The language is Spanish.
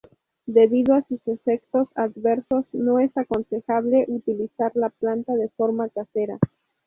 Debido a sus efectos adversos, no es aconsejable utilizar la planta de forma casera.